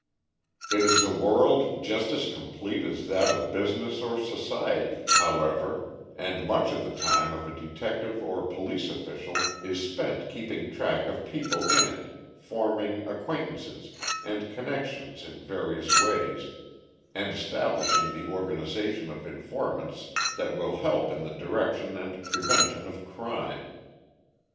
It is a world just as complete as that of business or society, however, and much of the time of a detective or police official is spent keeping track of people in it, forming acquaintances and connections in various ways, and establishing the organization of informants that will help in the detection and prevention of crime.